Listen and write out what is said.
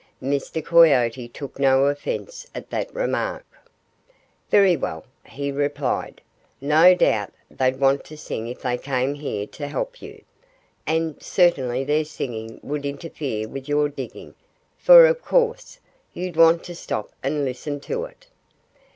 Mr. Coyote took no offence at that remark. "Very well!" he replied. "No doubt they'd want to sing if they came here to help you. And certainly their singing would interfere with your digging for of course you'd want to stop and listen to it."